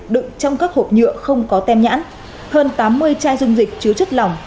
đựng trong các hộp nhựa không có tem nhãn hơn tám mươi chai dung dịch chứa chất lỏng